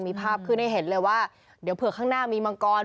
มีภาพขึ้นให้เห็นเลยว่าเดี๋ยวเผื่อข้างหน้ามีมังกร